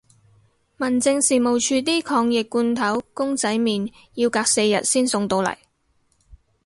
民政事務署啲抗疫罐頭公仔麵要隔四日先送到嚟